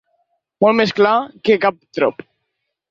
Molt més clar que cap trop.